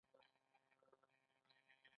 هغوی په موزون باران کې پر بل باندې ژمن شول.